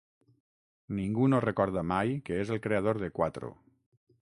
Ningú no recorda mai que és el creador de Quatro.